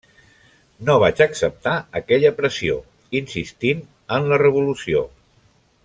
No vaig acceptar aquella pressió, insistint en la revolució.